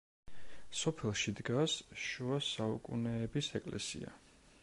სოფელში დგას შუა საუკუნეების ეკლესია.